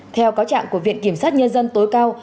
theo cáo trạng của viện kiểm sát nhân dân tối cao